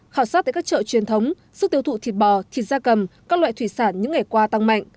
khảo sát tại các chợ truyền thống sức tiêu thụ thịt bò thịt da cầm các loại thủy sản những ngày qua tăng mạnh